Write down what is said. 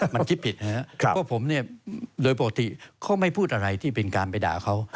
มันคิดผิดเพราะผมโดยปกติเขาไม่พูดอะไรที่เป็นการไปด่าเขา